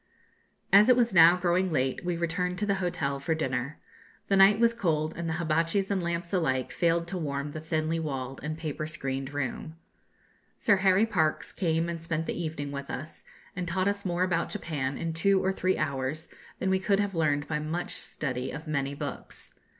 As it was now growing late, we returned to the hotel for dinner. The night was cold, and hibatchis and lamps alike failed to warm the thinly walled and paper screened room. Sir Harry Parkes came and spent the evening with us, and taught us more about Japan in two or three hours than we could have learned by much study of many books.